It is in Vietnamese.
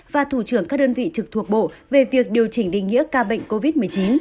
và thủ trưởng các đơn vị trực thuộc bộ về việc điều chỉnh định nghĩa ca bệnh covid một mươi chín